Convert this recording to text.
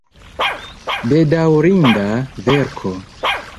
Bedaŭrinda verko!